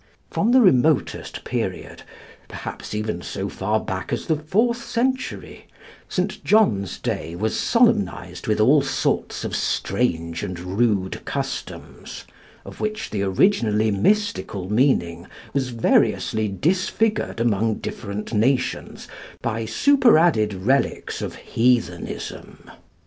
From the remotest period, perhaps even so far back as the fourth century, St. John's day was solemnised with all sorts of strange and rude customs, of which the originally mystical meaning was variously disfigured among different nations by superadded relics of heathenism.